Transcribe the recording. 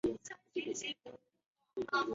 其中以杨梅为一最。